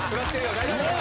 大丈夫！